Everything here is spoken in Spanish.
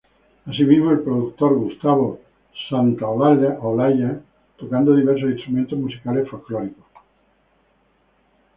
Asimismo, el productor Gustavo Santaolalla, tocando diversos instrumentos musicales folklóricos.